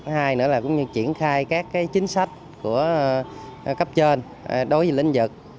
hai nữa là cũng như triển khai các chính sách của cấp trên đối với lĩnh vực